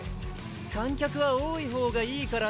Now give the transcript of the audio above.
観客は多いほうがいいからね